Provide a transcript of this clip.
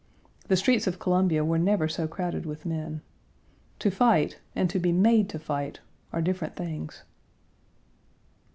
The streets of Columbia were never so crowded with men. To fight and to be made to fight are different things.